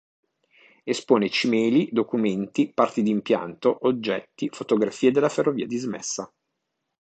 Espone cimeli, documenti, parti di impianto, oggetti, fotografie della ferrovia dismessa.